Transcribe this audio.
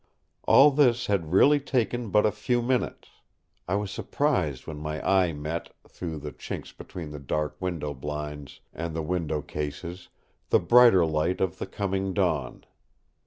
All this had really taken but a few minutes. I was surprised when my eye met, through the chinks between the dark window blinds and the window cases, the brighter light of the coming dawn.